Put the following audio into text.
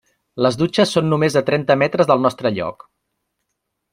Les dutxes són només a trenta metres del nostre lloc.